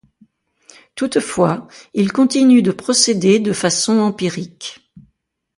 Toutefois, il continue de procéder de façon empirique.